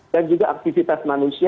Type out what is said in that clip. dan juga aktivitas manusia